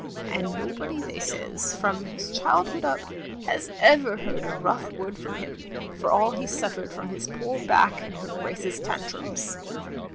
And nobody they says, from his childhood up — ^has ever heard a rough word from him, for all he suffered from his poor back and her Grace's tantrums.